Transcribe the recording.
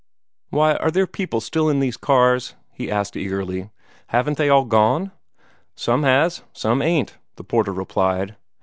"Why, are there people still in these cars?" he asked eagerly. "Haven't they all gone?" "Some has; some ain't," the porter replied.